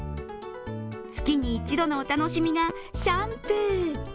月に一度のお楽しみがシャンプー。